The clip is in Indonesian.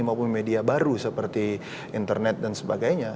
maupun media baru seperti internet dan sebagainya